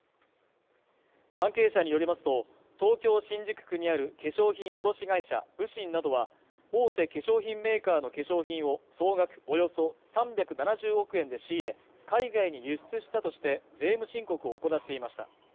関係者によりますと、東京・新宿区にある化粧品卸会社、雨辰などは、大手化粧品メーカーの化粧品を総額およそ３７０億円で仕入れ、海外に輸出したとして、税務申告を行っていました。